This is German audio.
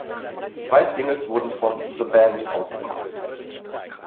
Zwei Singles wurden von "The Band" ausgekoppelt.